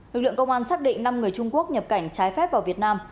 lực lượng công an xác định năm người trung quốc nhập cảnh trái phép vào việt nam